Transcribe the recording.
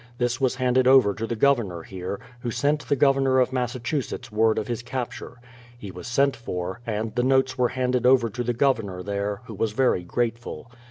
This was handed over to the Governor here, who sent the Governor of Massachusetts word of his capture. He was sent for, and the notes were handed over to the Governor there, who was very grateful.